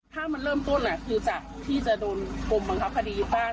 น่าจะเคลียร์ยอด